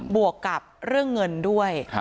วกกับเรื่องเงินด้วย